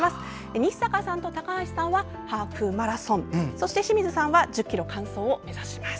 日坂さんと高橋さんはハーフマラソンそして清水さんは１０ｋｍ完走を目指します。